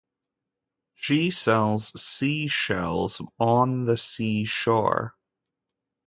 She sells sea-shells on the sea-shore.